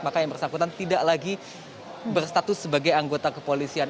maka yang bersangkutan tidak lagi berstatus sebagai anggota kepolisian